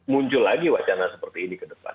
muncul lagi wacana seperti ini ke depan